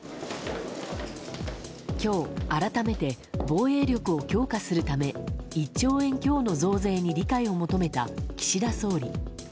今日、改めて防衛力を強化するため１兆円強の増税に理解を求めた岸田総理。